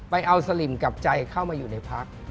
เอาสลิมกับใจเข้ามาอยู่ในพัก